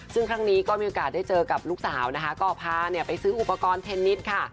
ซึ่งครั้งนี้ก็มีโอกาสได้เจอกับลูกสาวนะคะก็พาไปซื้ออุปกรณ์เทนนิสค่ะ